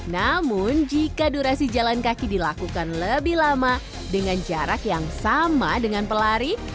namun jika durasi jalan kaki dilakukan lebih lama dengan jarak yang sama dengan pelari